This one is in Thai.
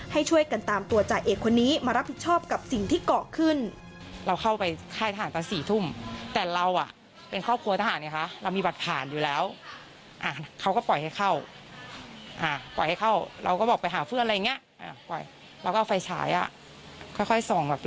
ให้ช่วยกันตามตัวจ่าเอกคนนี้มารับผิดชอบกับสิ่งที่เกาะขึ้น